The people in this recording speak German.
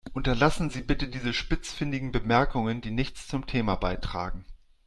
Unterlassen Sie bitte diese spitzfindigen Bemerkungen, die nichts zum Thema beitragen.